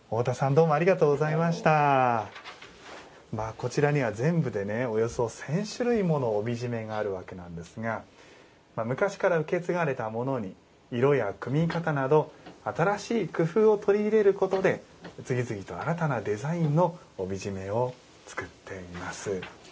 こちらには全部でおよそ１，０００種類もの帯締めがあるわけなんですが昔から受け継がれたものに色や組み方など新しい工夫を取り入れることで次々と新たなデザインの帯締めを作っています。